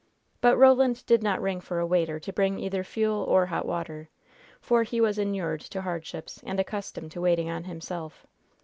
But Roland did not ring for a waiter to bring either fuel or hot water, for he was inured to hardships and accustomed to waiting on himself.